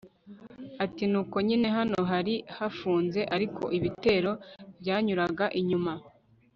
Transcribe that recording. ati nuko nyine hano hari hafunze ariko ibitero byanyuraga inyuma